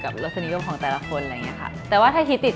แต่ว่าถ้าไปเล่นต่างจังหวัดอะไรอย่างเงี้ย